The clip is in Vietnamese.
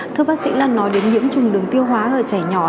thưa bác sĩ là nói đến nhiễm trùng đường tiêu hóa ở trẻ nhỏ